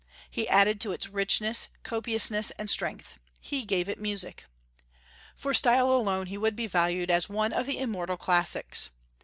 He added to its richness, copiousness, and strength; he gave it music. For style alone he would be valued as one of the immortal classics.